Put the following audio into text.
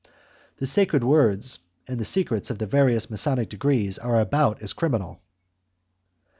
The sacred words and the secrets of the various masonic degrees are about as criminal.